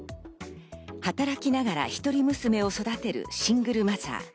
働きながら一人娘を育てるシングルマザー。